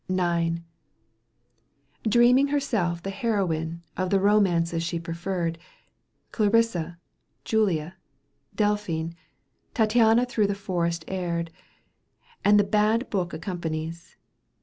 IX. г Dreaming herself the heroine Of the romances she prefen^d^ Yv Clarissa, Julia, Delphine, Tattiana through the forest erred, And the bad book accompanies.